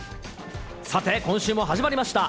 さて、今週も始まりました。